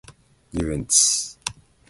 遊園地